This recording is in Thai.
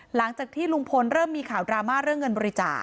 หลังจากที่ลุงพลเริ่มมีข่าวดราม่าเรื่องเงินบริจาค